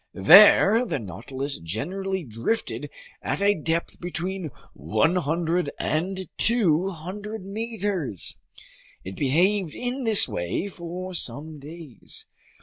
There the Nautilus generally drifted at a depth between 100 and 200 meters. It behaved in this way for some days.